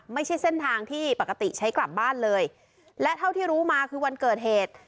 ไม่ใช่เส้นทางที่ปกติใช้กลับบ้านเลยและเท่าที่รู้มาคือวันเกิดเหตุ